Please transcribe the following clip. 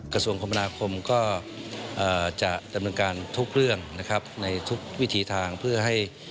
กระทรวงคมนาคมก็จะดำเนินการทุกเรื่องนะครับในทุกวิธีทางเพื่อให้